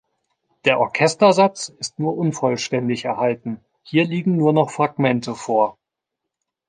Der Orchestersatz ist nur unvollständig erhalten, hier liegen nur noch Fragmente vor.